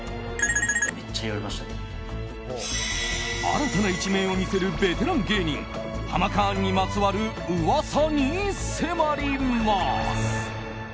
新たな一面を見せるベテラン芸人ハマカーンにまつわる噂に迫ります。